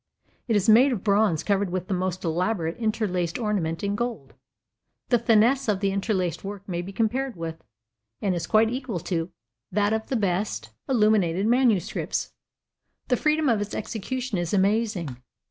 It is made of bronze covered with the most elaborate interlaced ornament in gold. The fineness of the interlaced work may be compared with, and is quite equal to, that of the best illuminated manuscripts; the freedom of its execution is amazing.